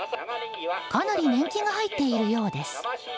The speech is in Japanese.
かなり年季が入っているようです。